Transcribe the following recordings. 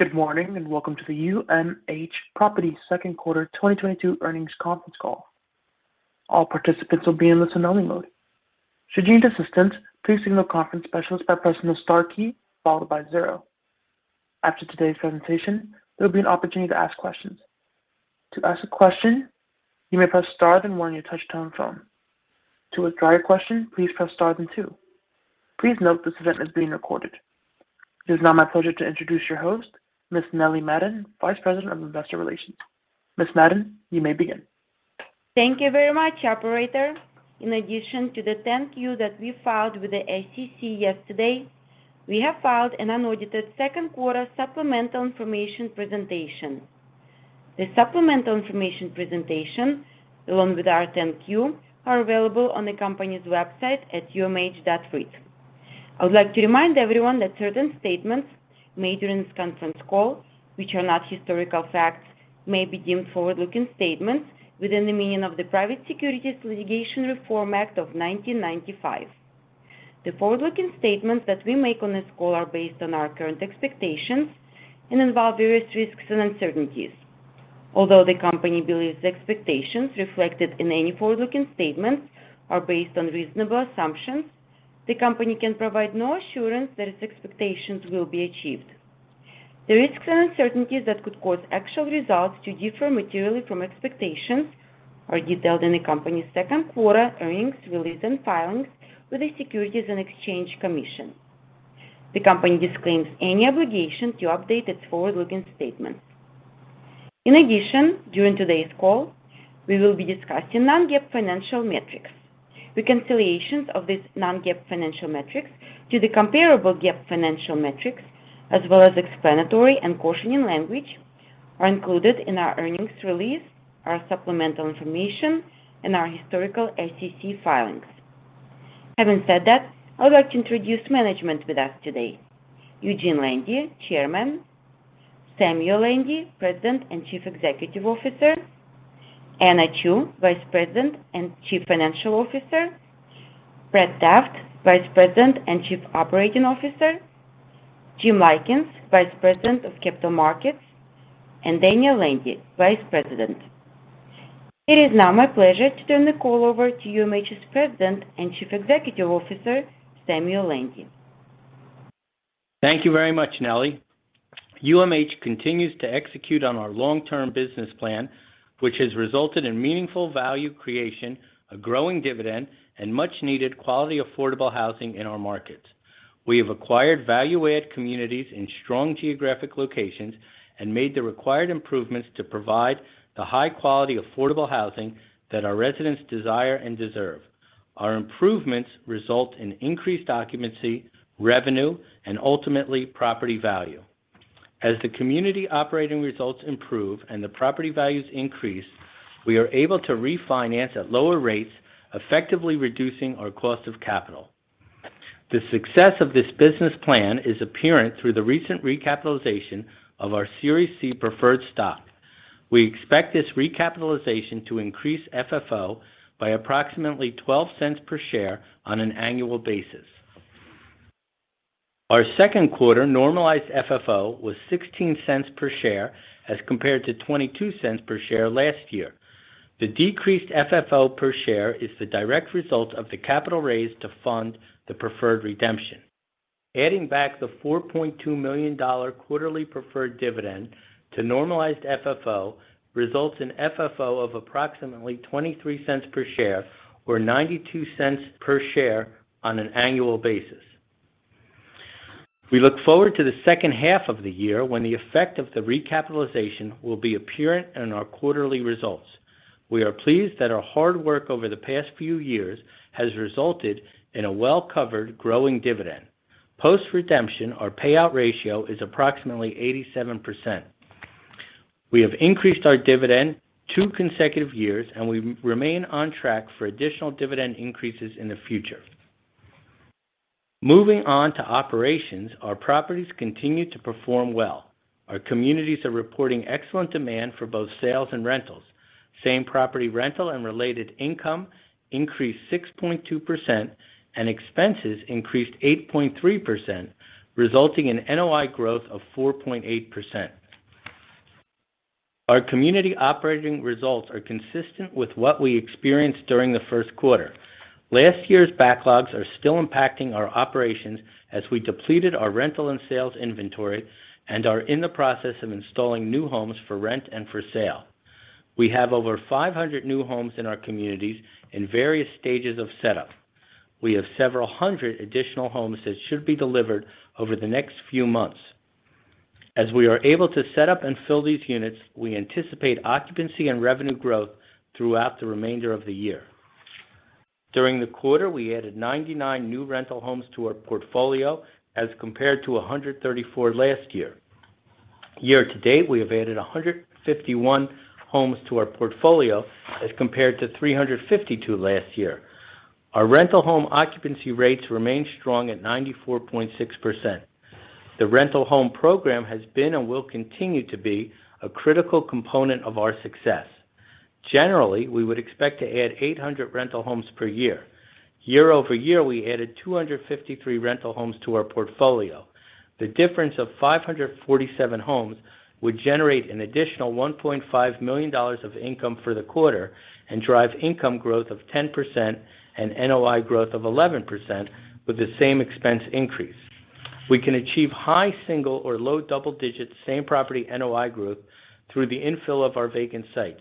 Good morning, and welcome to the UMH Properties second quarter 2022 earnings conference call. All participants will be in listen-only mode. Should you need assistance, please signal a conference specialist by pressing the star key followed by zero. After today's presentation, there will be an opportunity to ask questions. To ask a question, you may press star then one on your touch-tone phone. To withdraw your question, please press star then two. Please note this event is being recorded. It is now my pleasure to introduce your host, Ms. Nelli Madden, Vice President of Investor Relations. Ms. Madden, you may begin. Thank you very much, operator. In addition to the 10-Q that we filed with the SEC yesterday, we have filed an unaudited second quarter supplemental information presentation. The supplemental information presentation, along with our 10-Q, are available on the company's website at umh.reit. I would like to remind everyone that certain statements made during this conference call, which are not historical facts, may be deemed forward-looking statements within the meaning of the Private Securities Litigation Reform Act of 1995. The forward-looking statements that we make on this call are based on our current expectations and involve various risks and uncertainties. Although the company believes the expectations reflected in any forward-looking statements are based on reasonable assumptions, the company can provide no assurance that its expectations will be achieved. The risks and uncertainties that could cause actual results to differ materially from expectations are detailed in the company's second quarter earnings release and filings with the Securities and Exchange Commission. The company disclaims any obligation to update its forward-looking statement. In addition, during today's call, we will be discussing non-GAAP financial metrics. Reconciliations of these non-GAAP financial metrics to the comparable GAAP financial metrics as well as explanatory and cautioning language are included in our earnings release, our supplemental information, and our historical SEC filings. Having said that, I would like to introduce management with us today. Eugene Landy, Chairman. Samuel Landy, President and Chief Executive Officer. Anna Chew, Vice President and Chief Financial Officer. Brett Taft, Vice President and Chief Operating Officer. Jim Lykins, Vice President of Capital Markets. And Daniel Landy, Vice President. It is now my pleasure to turn the call over to UMH's President and Chief Executive Officer, Samuel Landy. Thank you very much, Nelli. UMH continues to execute on our long-term business plan, which has resulted in meaningful value creation, a growing dividend, and much needed quality, affordable housing in our markets. We have acquired value-add communities in strong geographic locations and made the required improvements to provide the high quality, affordable housing that our residents desire and deserve. Our improvements result in increased occupancy, revenue, and ultimately property value. As the community operating results improve and the property values increase, we are able to refinance at lower rates, effectively reducing our cost of capital. The success of this business plan is apparent through the recent recapitalization of our Series C preferred stock. We expect this recapitalization to increase FFO by approximately $0.12 per share on an annual basis. Our second quarter normalized FFO was $0.16 per share as compared to $0.22 per share last year. The decreased FFO per share is the direct result of the capital raised to fund the preferred redemption. Adding back the $4.2 million quarterly preferred dividend to normalized FFO results in FFO of approximately $0.23 per share or $0.92 per share on an annual basis. We look forward to the second half of the year when the effect of the recapitalization will be apparent in our quarterly results. We are pleased that our hard work over the past few years has resulted in a well-covered growing dividend. Post-redemption, our payout ratio is approximately 87%. We have increased our dividend two consecutive years, and we remain on track for additional dividend increases in the future. Moving on to operations, our properties continue to perform well. Our communities are reporting excellent demand for both sales and rentals. Same-property rental and related income increased 6.2% and expenses increased 8.3%, resulting in NOI growth of 4.8%. Our community operating results are consistent with what we experienced during the first quarter. Last year's backlogs are still impacting our operations as we depleted our rental and sales inventory and are in the process of installing new homes for rent and for sale. We have over 500 new homes in our communities in various stages of setup. We have several hundred additional homes that should be delivered over the next few months. As we are able to set up and fill these units, we anticipate occupancy and revenue growth throughout the remainder of the year. During the quarter, we added 99 new rental homes to our portfolio as compared to 134 last year. Year to date, we have added 151 homes to our portfolio as compared to 352 last year. Our rental home occupancy rates remain strong at 94.6%. The rental home program has been and will continue to be a critical component of our success. Generally, we would expect to add 800 rental homes per year. Year-over-year, we added 253 rental homes to our portfolio. The difference of 547 homes would generate an additional $1.5 million of income for the quarter and drive income growth of 10% and NOI growth of 11% with the same expense increase. We can achieve high single or low double-digit same property NOI growth through the infill of our vacant sites.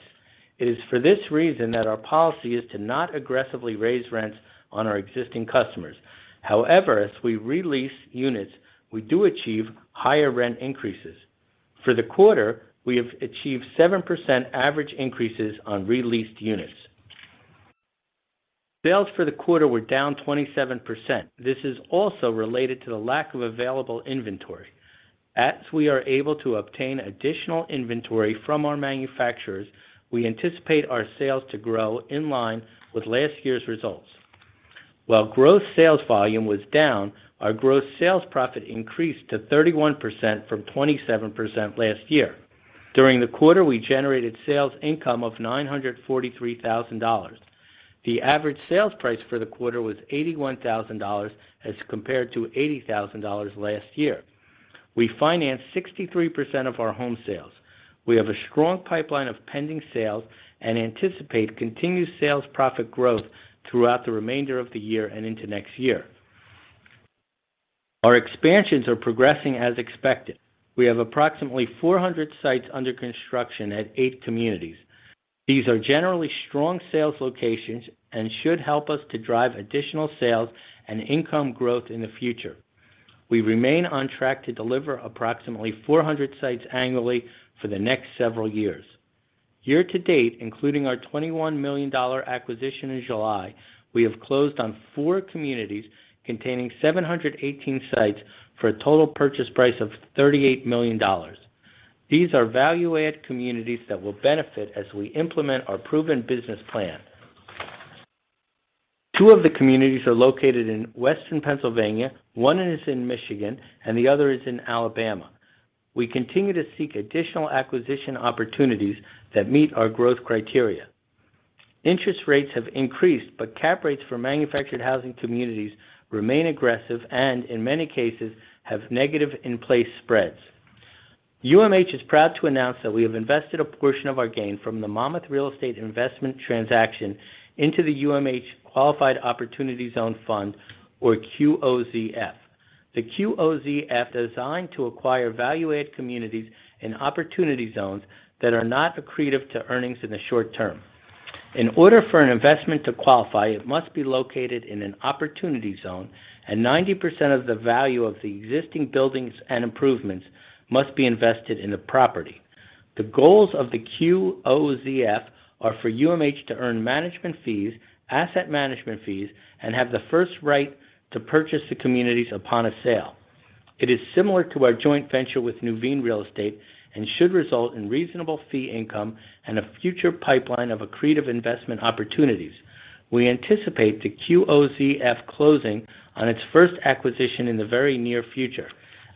It is for this reason that our policy is to not aggressively raise rents on our existing customers. However, as we re-lease units, we do achieve higher rent increases. For the quarter, we have achieved 7% average increases on re-leased units. Sales for the quarter were down 27%. This is also related to the lack of available inventory. As we are able to obtain additional inventory from our manufacturers, we anticipate our sales to grow in line with last year's results. While growth sales volume was down, our growth sales profit increased to 31% from 27% last year. During the quarter, we generated sales income of $943,000. The average sales price for the quarter was $81,000 as compared to $80,000 last year. We financed 63% of our home sales. We have a strong pipeline of pending sales and anticipate continued sales profit growth throughout the remainder of the year and into next year. Our expansions are progressing as expected. We have approximately 400 sites under construction at eight communities. These are generally strong sales locations and should help us to drive additional sales and income growth in the future. We remain on track to deliver approximately 400 sites annually for the next several years. Year-to-date, including our $21 million acquisition in July, we have closed on four communities containing 718 sites for a total purchase price of $38 million. These are value-add communities that will benefit as we implement our proven business plan. Two of the communities are located in Western Pennsylvania, one is in Michigan, and the other is in Alabama. We continue to seek additional acquisition opportunities that meet our growth criteria. Interest rates have increased, but cap rates for manufactured housing communities remain aggressive and, in many cases, have negative in-place spreads. UMH is proud to announce that we have invested a portion of our gain from the Monmouth Real Estate Investment Corporation transaction into the UMH Qualified Opportunity Zone Fund, or QOZF. The QOZF is designed to acquire value-add communities in opportunity zones that are not accretive to earnings in the short term. In order for an investment to qualify, it must be located in an opportunity zone, and 90% of the value of the existing buildings and improvements must be invested in the property. The goals of the QOZF are for UMH to earn management fees, asset management fees, and have the first right to purchase the communities upon a sale. It is similar to our joint venture with Nuveen Real Estate and should result in reasonable fee income and a future pipeline of accretive investment opportunities. We anticipate the QOZF closing on its first acquisition in the very near future.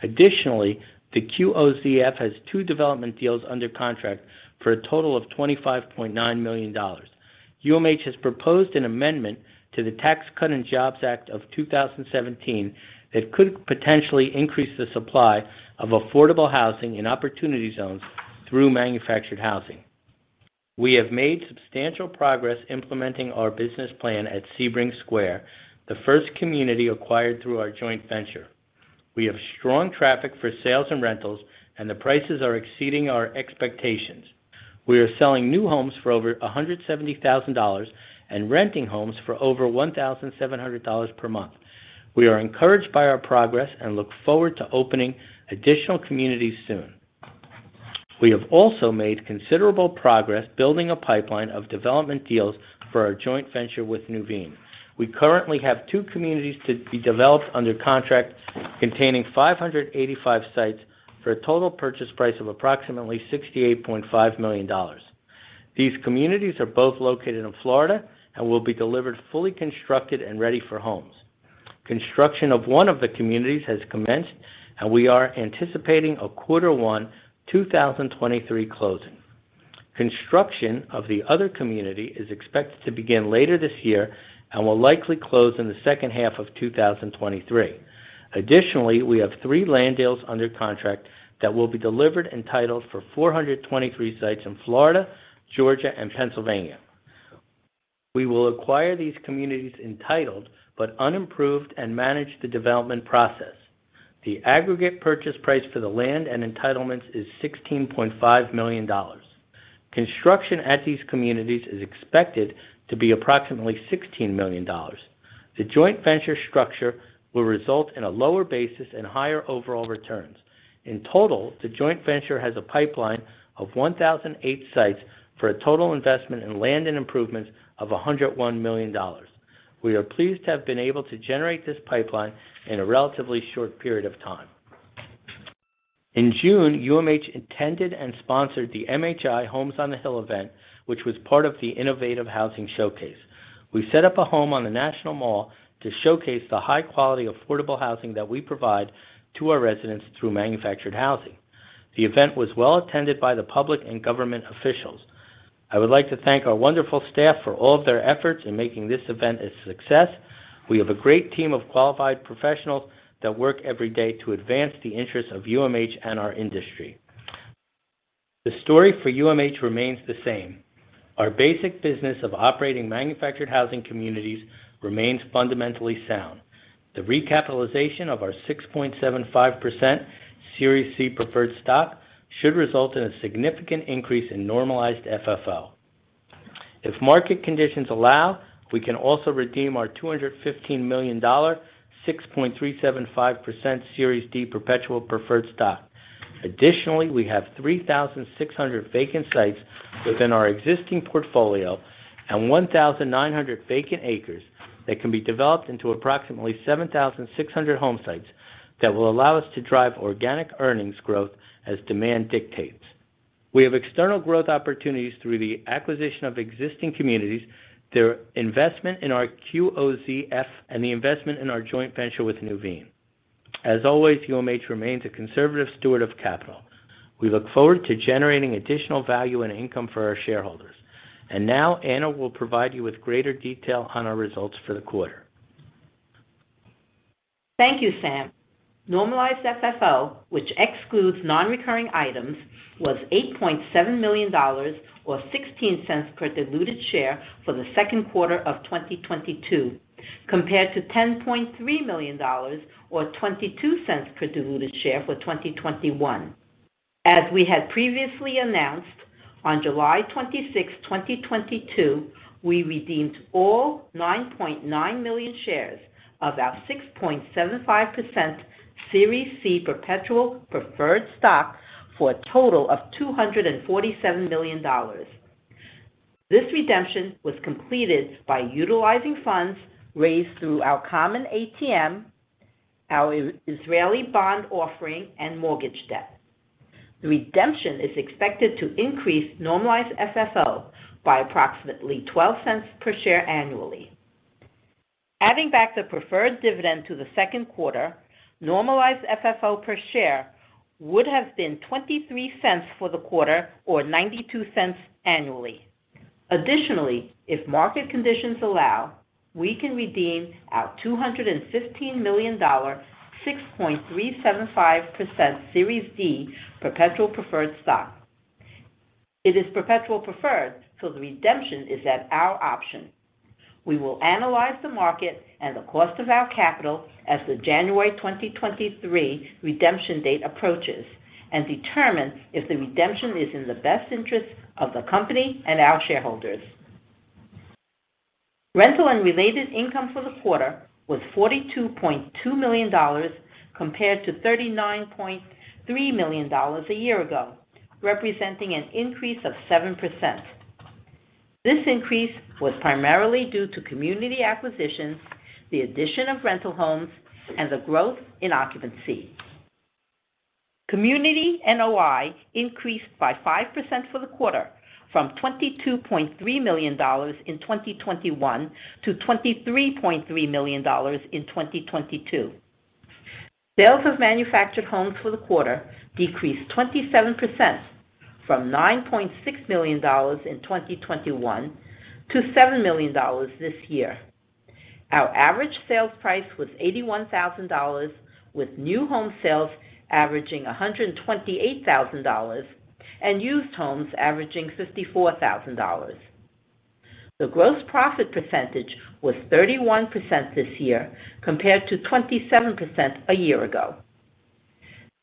Additionally, the QOZF has two development deals under contract for a total of $25.9 million. UMH has proposed an amendment to the Tax Cuts and Jobs Act of 2017 that could potentially increase the supply of affordable housing in opportunity zones through manufactured housing. We have made substantial progress implementing our business plan at Sebring Square, the first community acquired through our joint venture. We have strong traffic for sales and rentals, and the prices are exceeding our expectations. We are selling new homes for over $170,000 and renting homes for over $1,700 per month. We are encouraged by our progress and look forward to opening additional communities soon. We have also made considerable progress building a pipeline of development deals for our joint venture with Nuveen. We currently have two communities to be developed under contract containing 585 sites for a total purchase price of approximately $68.5 million. These communities are both located in Florida and will be delivered fully constructed and ready for homes. Construction of one of the communities has commenced, and we are anticipating a Q1 2023 closing. Construction of the other community is expected to begin later this year and will likely close in the second half of 2023. Additionally, we have three land deals under contract that will be delivered entitled for 423 sites in Florida, Georgia, and Pennsylvania. We will acquire these communities entitled, but unimproved and manage the development process. The aggregate purchase price for the land and entitlements is $16.5 million. Construction at these communities is expected to be approximately $16 million. The joint venture structure will result in a lower basis and higher overall returns. In total, the joint venture has a pipeline of 1,008 sites for a total investment in land and improvements of $101 million. We are pleased to have been able to generate this pipeline in a relatively short period of time. In June, UMH attended and sponsored the MHI Homes on the Hill event, which was part of the Innovative Housing Showcase. We set up a home on the National Mall to showcase the high quality, affordable housing that we provide to our residents through manufactured housing. The event was well-attended by the public and government officials. I would like to thank our wonderful staff for all of their efforts in making this event a success. We have a great team of qualified professionals that work every day to advance the interests of UMH and our industry. The story for UMH remains the same. Our basic business of operating manufactured housing communities remains fundamentally sound. The recapitalization of our 6.75% Series C preferred stock should result in a significant increase in normalized FFO. If market conditions allow, we can also redeem our $215 million 6.375% Series D perpetual preferred stock. Additionally, we have 3,600 vacant sites within our existing portfolio and 1,900 vacant acres that can be developed into approximately 7,600 home sites that will allow us to drive organic earnings growth as demand dictates. We have external growth opportunities through the acquisition of existing communities, their investment in our QOZF, and the investment in our joint venture with Nuveen. As always, UMH remains a conservative steward of capital. We look forward to generating additional value and income for our shareholders. Now Anna will provide you with greater detail on our results for the quarter. Thank you, Sam. Normalized FFO, which excludes non-recurring items, was $8.7 million, or $0.16 per diluted share for the second quarter of 2022, compared to $10.3 million, or $0.22 per diluted share for 2021. As we had previously announced, on July 26, 2022, we redeemed all 9.9 million shares of our 6.75% Series C perpetual preferred stock for a total of $247 million. This redemption was completed by utilizing funds raised through our common ATM, our Israeli bond offering, and mortgage debt. The redemption is expected to increase normalized FFO by approximately $0.12 per share annually. Adding back the preferred dividend to the second quarter, normalized FFO per share would have been $0.23 for the quarter, or $0.92 annually. Additionally, if market conditions allow, we can redeem our $215 million 6.375% Series D perpetual preferred stock. It is perpetual preferred, so the redemption is at our option. We will analyze the market and the cost of our capital as the January 2023 redemption date approaches and determine if the redemption is in the best interest of the company and our shareholders. Rental and related income for the quarter was $42.2 million compared to $39.3 million a year ago, representing an increase of 7%. This increase was primarily due to community acquisitions, the addition of rental homes, and the growth in occupancy. Community NOI increased by 5% for the quarter from $22.3 million in 2021 to $23.3 million in 2022. Sales of manufactured homes for the quarter decreased 27% from $9.6 million in 2021 to $7 million this year. Our average sales price was $81,000, with new home sales averaging $128,000 and used homes averaging $54,000. The gross profit percentage was 31% this year compared to 27% a year ago.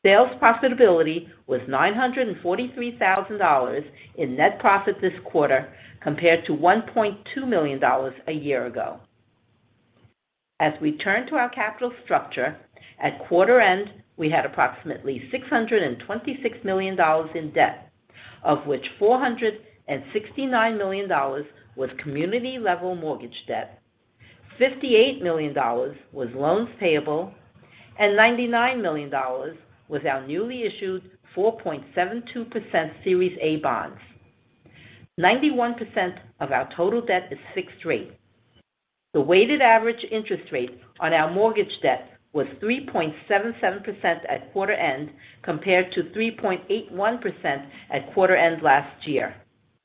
Sales profitability was $943,000 in net profit this quarter compared to $1.2 million a year ago. As we turn to our capital structure, at quarter end, we had approximately $626 million in debt, of which $469 million was community-level mortgage debt, $58 million was loans payable, and $99 million was our newly issued 4.72% Series A Bonds. 91% of our total debt is fixed rate. The weighted average interest rate on our mortgage debt was 3.77% at quarter end compared to 3.81% at quarter end last year.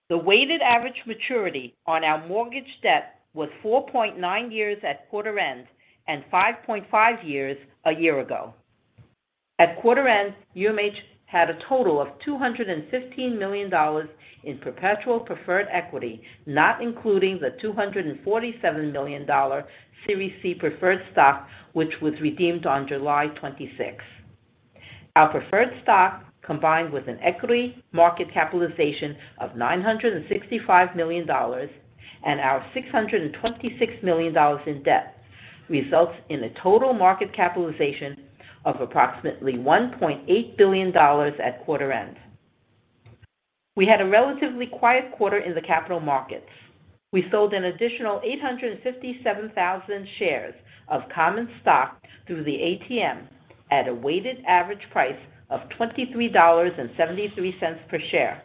The weighted average maturity on our mortgage debt was 4.9 years at quarter end and 5.5 years a year ago. At quarter end, UMH had a total of $215 million in perpetual preferred equity, not including the $247 million Series C preferred stock, which was redeemed on July 26. Our preferred stock, combined with an equity market capitalization of $965 million and our $626 million in debt, results in a total market capitalization of approximately $1.8 billion at quarter end. We had a relatively quiet quarter in the capital markets. We sold an additional 857,000 shares of common stock through the ATM. At a weighted average price of $23.73 per share,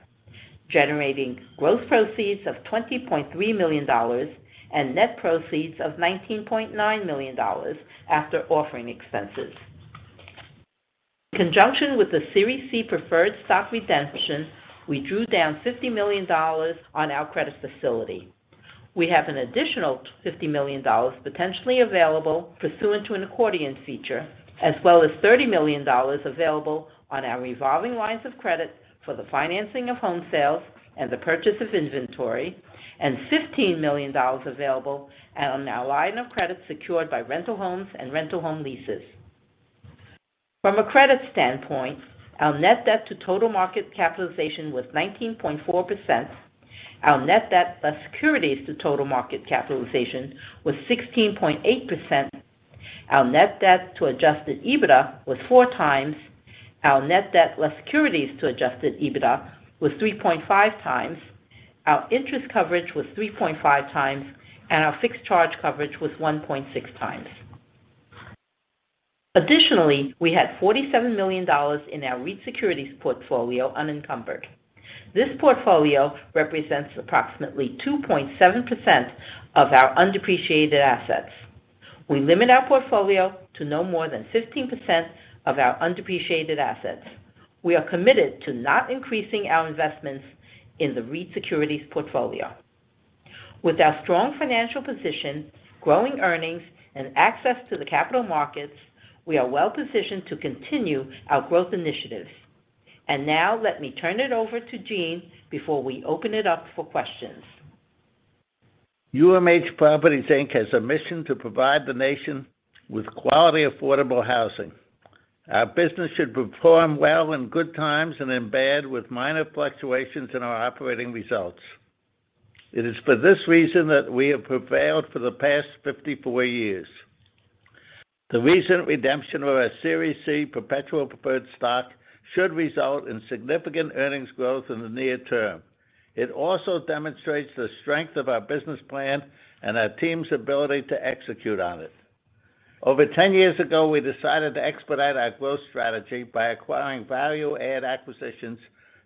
generating gross proceeds of $20.3 million and net proceeds of $19.9 million after offering expenses. In conjunction with the Series C preferred stock redemption, we drew down $50 million on our credit facility. We have an additional $50 million potentially available pursuant to an accordion feature, as well as $30 million available on our revolving lines of credit for the financing of home sales and the purchase of inventory, and $15 million available on our line of credit secured by rental homes and rental home leases. From a credit standpoint, our net debt to total market capitalization was 19.4%. Our net debt plus securities to total market capitalization was 16.8%. Our net debt to adjusted EBITDA was 4x. Our net debt less securities to adjusted EBITDA was 3.5x. Our interest coverage was 3.5x, and our fixed charge coverage was 1.6x. Additionally, we had $47 million in our REIT securities portfolio unencumbered. This portfolio represents approximately 2.7% of our undepreciated assets. We limit our portfolio to no more than 15% of our undepreciated assets. We are committed to not increasing our investments in the REIT securities portfolio. With our strong financial position, growing earnings, and access to the capital markets, we are well positioned to continue our growth initiatives. Now let me turn it over to Gene before we open it up for questions. UMH Properties, Inc. has a mission to provide the nation with quality, affordable housing. Our business should perform well in good times and in bad with minor fluctuations in our operating results. It is for this reason that we have prevailed for the past 54 years. The recent redemption of our Series C perpetual preferred stock should result in significant earnings growth in the near term. It also demonstrates the strength of our business plan and our team's ability to execute on it. Over 10 years ago, we decided to expedite our growth strategy by acquiring value-add acquisitions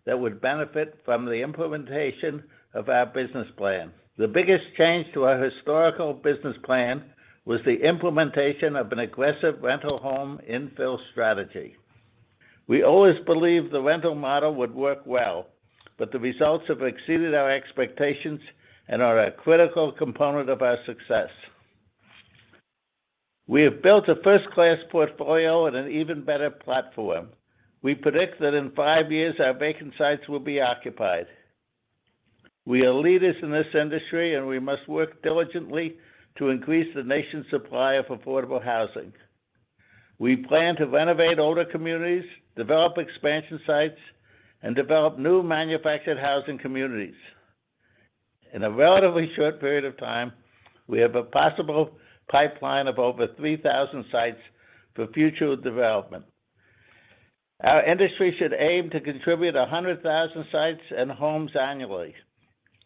that would benefit from the implementation of our business plan. The biggest change to our historical business plan was the implementation of an aggressive rental home infill strategy. We always believed the rental model would work well, but the results have exceeded our expectations and are a critical component of our success. We have built a first-class portfolio and an even better platform. We predict that in five years, our vacant sites will be occupied. We are leaders in this industry, and we must work diligently to increase the nation's supply of affordable housing. We plan to renovate older communities, develop expansion sites, and develop new manufactured housing communities. In a relatively short period of time, we have a possible pipeline of over 3,000 sites for future development. Our industry should aim to contribute 100,000 sites and homes annually.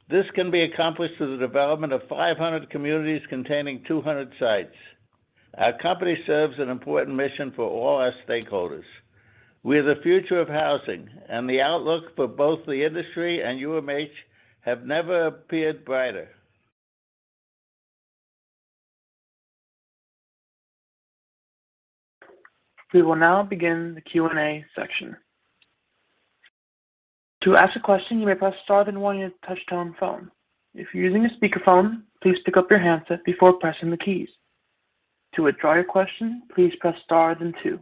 This can be accomplished through the development of 500 communities containing 200 sites. Our company serves an important mission for all our stakeholders. We are the future of housing, and the outlook for both the industry and UMH have never appeared brighter. We will now begin the Q&A section. To ask a question, you may press star then one on your touchtone phone. If you're using a speakerphone, please pick up your handset before pressing the keys. To withdraw your question, please press star then two.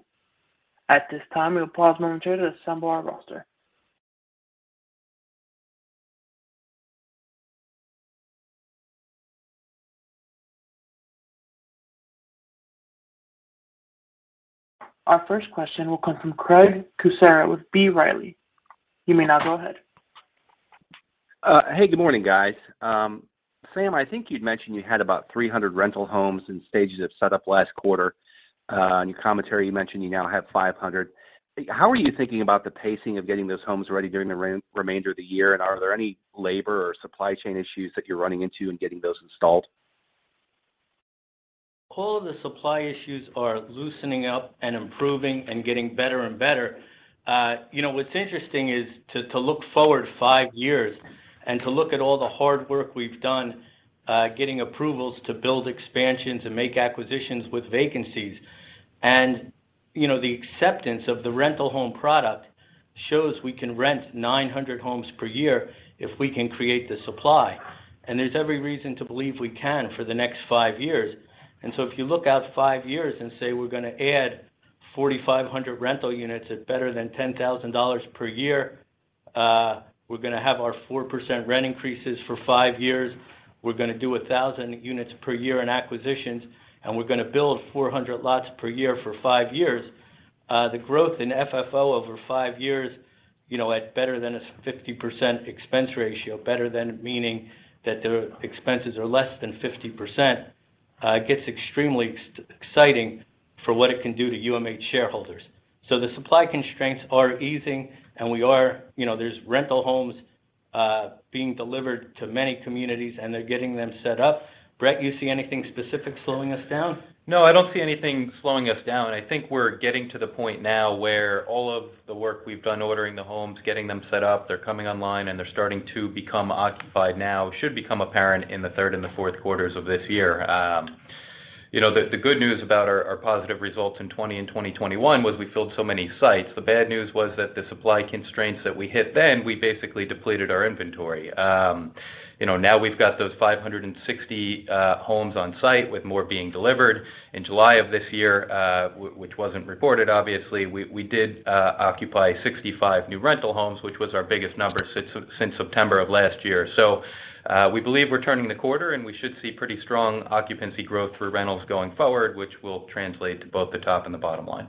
At this time, we will pause momentarily to assemble our roster. Our first question will come from Craig Kucera with B. Riley. You may now go ahead. Hey, good morning, guys. Sam, I think you'd mentioned you had about 300 rental homes in stages of set up last quarter. In your commentary, you mentioned you now have 500. How are you thinking about the pacing of getting those homes ready during the remainder of the year? Are there any labor or supply chain issues that you're running into in getting those installed? All of the supply issues are loosening up and improving and getting better and better. You know, what's interesting is to look forward five years and to look at all the hard work we've done, getting approvals to build expansions and make acquisitions with vacancies. You know, the acceptance of the rental home product shows we can rent 900 homes per year if we can create the supply. There's every reason to believe we can for the next five years. If you look out five years and say we're gonna add 4,500 rental units at better than $10,000 per year, we're gonna have our 4% rent increases for five years. We're gonna do 1,000 units per year in acquisitions, and we're gonna build 400 lots per year for five years. The growth in FFO over five years, you know, at better than a 50% expense ratio, better than meaning that the expenses are less than 50%, gets extremely exciting for what it can do to UMH shareholders. The supply constraints are easing, and we are. You know, there's rental homes being delivered to many communities, and they're getting them set up. Brett, you see anything specific slowing us down? No, I don't see anything slowing us down. I think we're getting to the point now where all of the work we've done ordering the homes, getting them set up, they're coming online, and they're starting to become occupied now, should become apparent in the third and the fourth quarters of this year. You know, the good news about our positive results in 2020 and 2021 was we filled so many sites. The bad news was that the supply constraints that we hit then, we basically depleted our inventory. You know, now we've got those 560 homes on site with more being delivered. In July of this year, which wasn't reported obviously, we did occupy 65 new rental homes, which was our biggest number since September of last year. We believe we're turning the corner, and we should see pretty strong occupancy growth for rentals going forward, which will translate to both the top and the bottom line.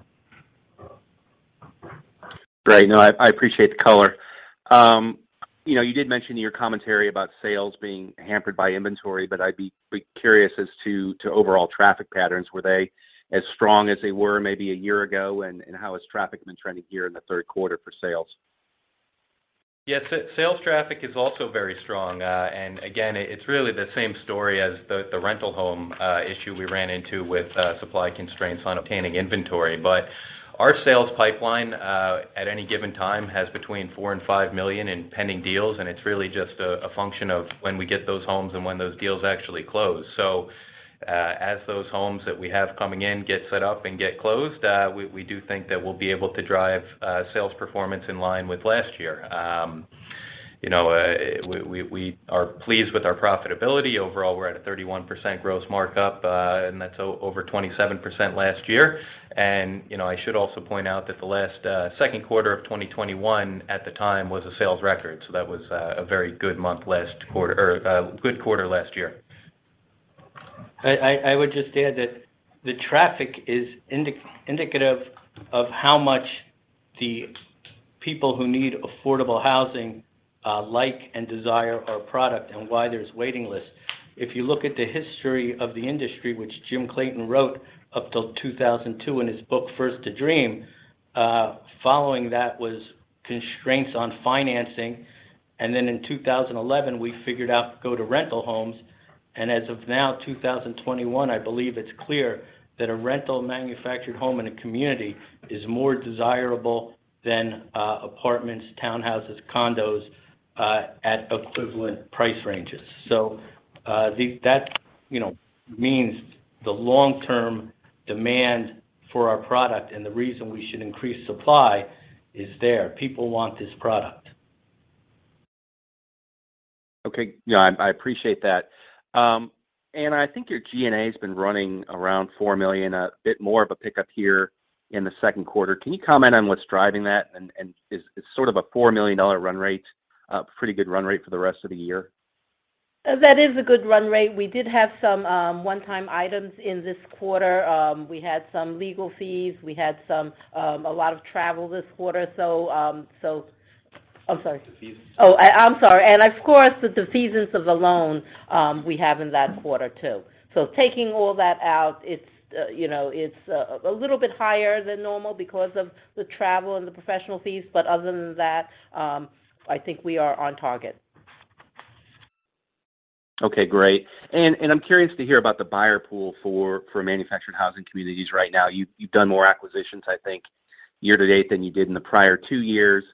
Great. No, I appreciate the color. You know, you did mention in your commentary about sales being hampered by inventory, but I'd be pretty curious as to overall traffic patterns. Were they as strong as they were maybe a year ago? How has traffic been trending here in the third quarter for sales? Yeah. Sales traffic is also very strong. Again, it's really the same story as the rental home issue we ran into with supply constraints on obtaining inventory. Our sales pipeline at any given time has between $4 million and $5 million in pending deals, and it's really just a function of when we get those homes and when those deals actually close. As those homes that we have coming in get set up and get closed, we do think that we'll be able to drive sales performance in line with last year. You know, we are pleased with our profitability. Overall, we're at a 31% gross markup, and that's over 27% last year. You know, I should also point out that the last second quarter of 2021, at the time, was a sales record, so that was a very good quarter last year. I would just add that the traffic is indicative of how much the people who need affordable housing like and desire our product and why there's waiting lists. If you look at the history of the industry, which Jim Clayton wrote up till 2002 in his book, First a Dream, following that was constraints on financing. Then in 2011, we figured out to go to rental homes. As of now, 2021, I believe it's clear that a rental manufactured home in a community is more desirable than apartments, townhouses, condos at equivalent price ranges. That, you know, means the long-term demand for our product and the reason we should increase supply is there. People want this product. Okay. Yeah, I appreciate that. Anna, I think your G&A has been running around $4 million, a bit more of a pickup here in the second quarter. Can you comment on what's driving that? Is sort of a $4 million run rate a pretty good run rate for the rest of the year? That is a good run rate. We did have some one-time items in this quarter. We had some legal fees. We had a lot of travel this quarter. I'm sorry. Fees. Oh, I'm sorry. Of course, the defeasance of the loan we have in that quarter, too. Taking all that out, it's, you know, a little bit higher than normal because of the travel and the professional fees. Other than that, I think we are on target. Okay, great. I'm curious to hear about the buyer pool for manufactured housing communities right now. You've done more acquisitions, I think, year to date than you did in the prior two years.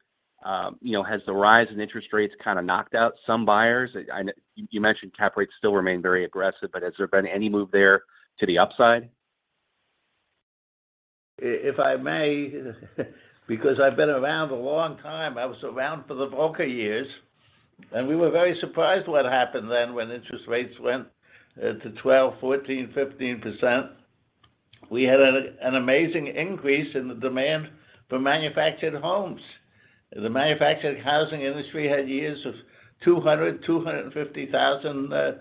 You know, has the rise in interest rates kind of knocked out some buyers? I know you mentioned cap rates still remain very aggressive, but has there been any move there to the upside? If I may, because I've been around a long time. I was around for the Volcker years, and we were very surprised by what happened then when interest rates went to 12%, 14%, 15%. We had an amazing increase in the demand for manufactured homes. The manufactured housing industry had years of 200,000-250,000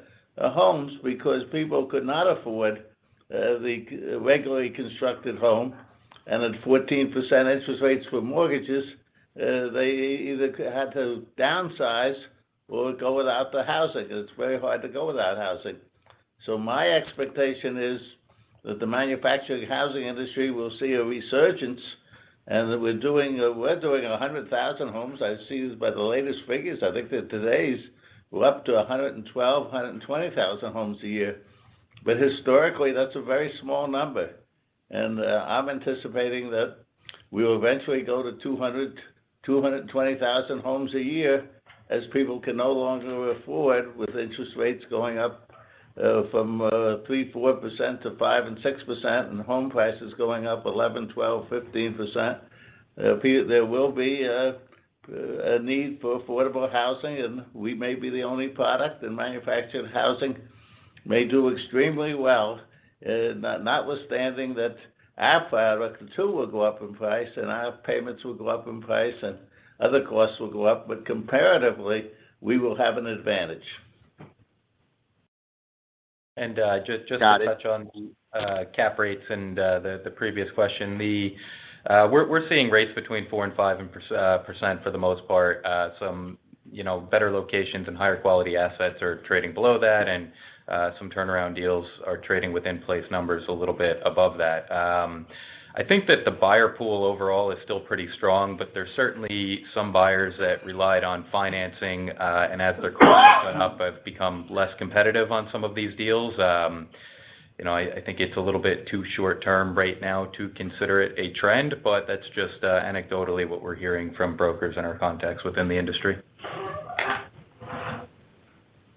homes because people could not afford the regularly constructed home. At 14% interest rates for mortgages, they either had to downsize or go without the housing, and it's very hard to go without housing. My expectation is that the manufactured housing industry will see a resurgence, and that we're doing 100,000 homes. I've seen by the latest figures, I think they're today's, we're up to 112,000-120,000 homes a year. Historically, that's a very small number. I'm anticipating that we'll eventually go to 200-220,000 homes a year as people can no longer afford, with interest rates going up from 3%-4% to 5%-6%, and home prices going up 11%-12%-15%. There will be a need for affordable housing, and we may be the only product. Manufactured housing may do extremely well, notwithstanding that our product too will go up in price, and our payments will go up in price, and other costs will go up. Comparatively, we will have an advantage. And, uh, just- Got it. To touch on cap rates and the previous question. We're seeing rates between 4%-5% for the most part. Some, you know, better locations and higher quality assets are trading below that, and some turnaround deals are trading within place numbers a little bit above that. I think it's a little bit too short-term right now to consider it a trend, but that's just anecdotally what we're hearing from brokers and our contacts within the industry.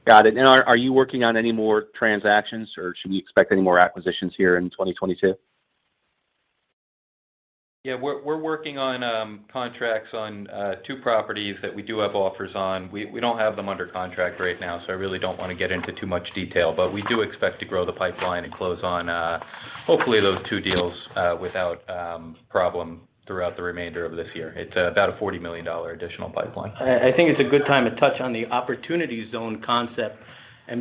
Got it. Are you working on any more transactions, or should we expect any more acquisitions here in 2022? Yeah. We're working on contracts on two properties that we do have offers on. We don't have them under contract right now, so I really don't wanna get into too much detail. We do expect to grow the pipeline and close on hopefully those two deals without problem throughout the remainder of this year. It's about a $40 million additional pipeline. I think it's a good time to touch on the opportunity zone concept.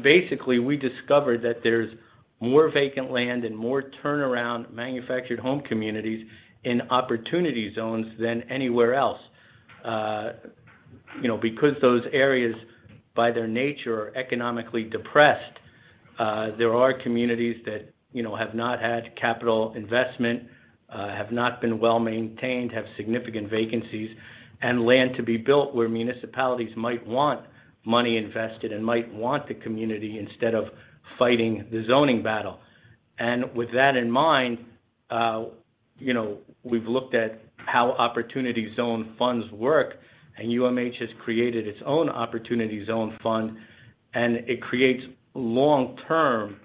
Basically, we discovered that there's more vacant land and more turnaround manufactured home communities in opportunity zones than anywhere else. You know, because those areas, by their nature, are economically depressed, there are communities that, you know, have not had capital investment, have not been well-maintained, have significant vacancies, and land to be built where municipalities might want money invested and might want the community instead of fighting the zoning battle. With that in mind, you know, we've looked at how opportunity zone funds work, and UMH has created its own opportunity zone fund, and it creates long-term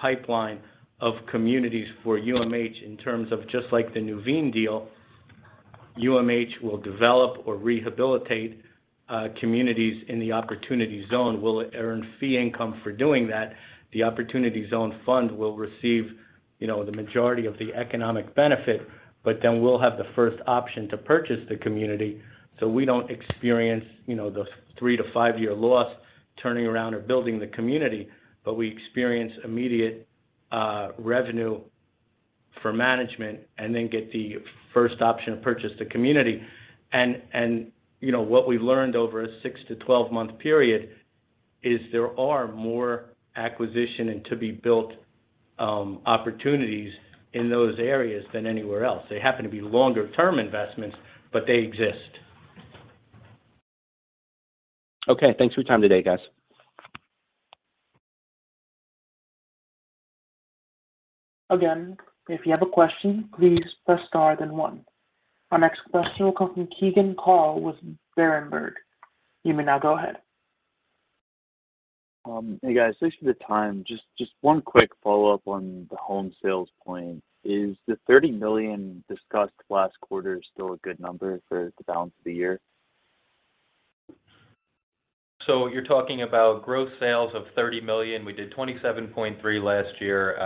pipeline of communities for UMH in terms of just like the Nuveen deal. UMH will develop or rehabilitate communities in the opportunity zone. We'll earn fee income for doing that. The opportunity zone fund will receive, you know, the majority of the economic benefit, but then we'll have the first option to purchase the community, so we don't experience, you know, the three to five-year loss turning around or building the community, but we experience immediate revenue for management and then get the first option to purchase the community. You know, what we've learned over a 6-12-month period is there are more acquisition and to-be-built opportunities in those areas than anywhere else. They happen to be longer-term investments, but they exist. Okay. Thanks for your time today, guys. Again, if you have a question, please press star then one. Our next question will come from Keegan Carl with Berenberg. You may now go ahead. Hey, guys. Thanks for the time. Just one quick follow-up on the home sales point. Is the $30 million discussed last quarter still a good number for the balance of the year? You're talking about gross sales of $30 million. We did $27.3 million last year.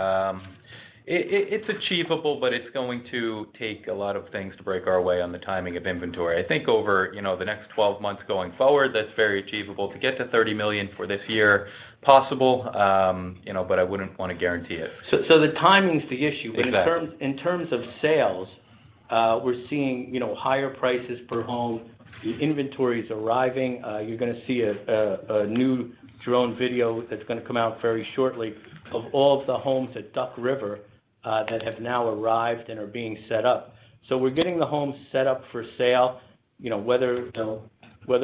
It's achievable, but it's going to take a lot of things to break our way on the timing of inventory. I think, you know, over the next twelve months going forward, that's very achievable. To get to $30 million for this year, possible, you know, but I wouldn't wanna guarantee it. The timing's the issue. Exactly. In terms of sales, we're seeing, you know, higher prices per home. The inventory's arriving. You're gonna see a new drone video that's gonna come out very shortly of all of the homes at Duck River that have now arrived and are being set up. We're getting the homes set up for sale. You know, whether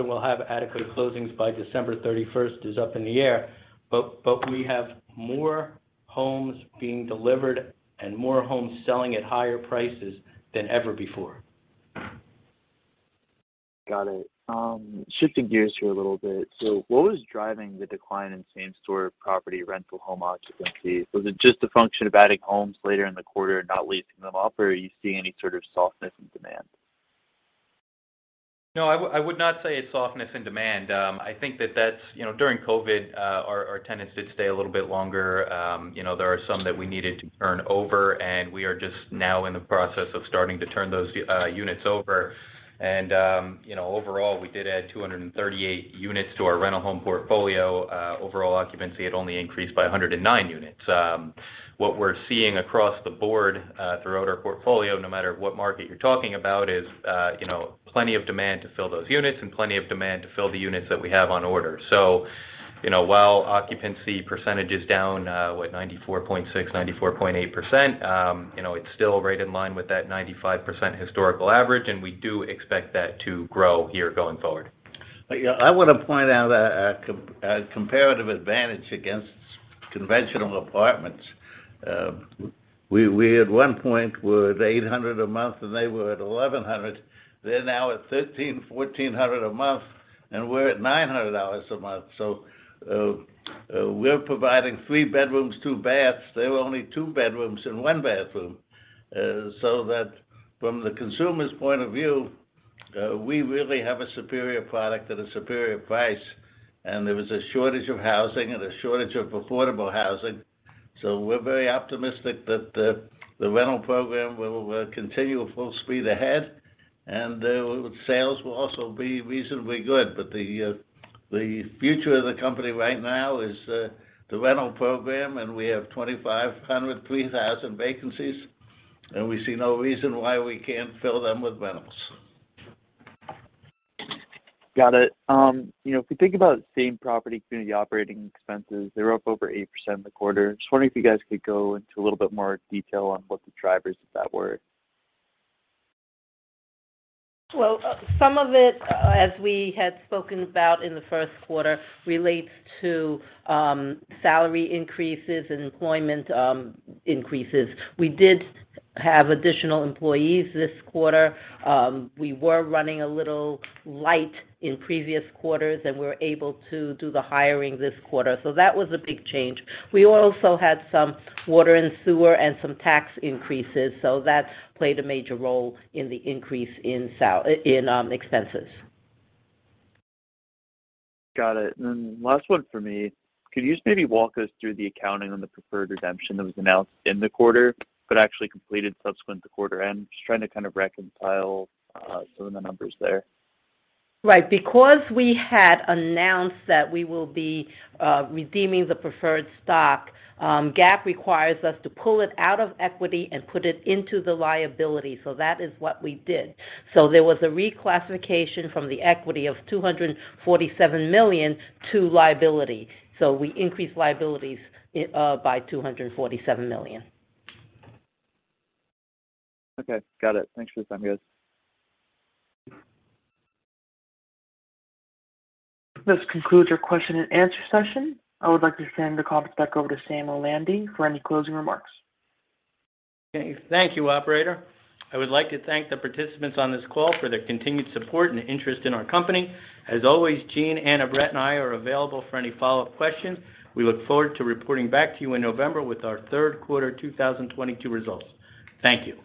we'll have adequate closings by December thirty-first is up in the air. We have more homes being delivered and more homes selling at higher prices than ever before. Got it. Shifting gears here a little bit. What was driving the decline in same-store property rental home occupancy? Was it just a function of adding homes later in the quarter and not leasing them up, or are you seeing any sort of softness in demand? No, I would not say a softness in demand. I think that that's. You know, during COVID, our tenants did stay a little bit longer. You know, there are some that we needed to turn over, and we are just now in the process of starting to turn those units over. Overall, we did add 238 units to our rental home portfolio. Overall occupancy had only increased by 109 units. What we're seeing across the board, throughout our portfolio, no matter what market you're talking about, is, you know, plenty of demand to fill those units and plenty of demand to fill the units that we have on order. You know, while occupancy percentage is down, what 94.6, 94.8%, you know, it's still right in line with that 95% historical average, and we do expect that to grow here going forward. Yeah. I wanna point out a comparative advantage against conventional apartments. We at one point were at $800 a month, and they were at $1,100. They're now at $1,300-$1,400 a month, and we're at $900 a month. We're providing three bedrooms, two baths. They were only two bedrooms and one bathroom. From the consumer's point of view, we really have a superior product at a superior price. There was a shortage of housing and a shortage of affordable housing. We're very optimistic that the rental program will continue full speed ahead, and sales will also be reasonably good. The future of the company right now is the rental program, and we have 2,500-3,000 vacancies, and we see no reason why we can't fill them with rentals. Got it. You know, if we think about same property community operating expenses, they're up over 8% in the quarter. Just wondering if you guys could go into a little bit more detail on what the drivers of that were. Well, some of it, as we had spoken about in the first quarter, relates to salary increases and employment increases. We did have additional employees this quarter. We were running a little light in previous quarters, and we were able to do the hiring this quarter. That was a big change. We also had some water and sewer and some tax increases, so that played a major role in the increase in expenses. Got it. Last one for me. Could you just maybe walk us through the accounting on the preferred redemption that was announced in the quarter but actually completed subsequent to quarter end? Just trying to kind of reconcile, some of the numbers there. Right. Because we had announced that we will be redeeming the preferred stock, GAAP requires us to pull it out of equity and put it into the liability, so that is what we did. There was a reclassification from the equity of $247 million to liability, so we increased liabilities by $247 million. Okay. Got it. Thanks for the time, guys. This concludes your question and answer session. I would like to send the conference back over to Samuel Landy for any closing remarks. Okay. Thank you, operator. I would like to thank the participants on this call for their continued support and interest in our company. As always, Gene, Anna, Brett, and I are available for any follow-up questions. We look forward to reporting back to you in November with our third quarter 2022 results. Thank you.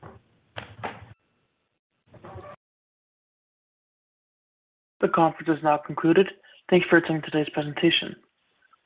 The conference is now concluded. Thank you for attending today's presentation.